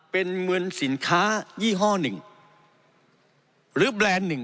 เป็นเหมือนสินค้ายี่ห้อหนึ่งหรือแบรนด์หนึ่ง